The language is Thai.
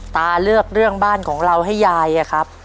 ตาเลือกเรื่องบ้านของเราให้ยายอะครับ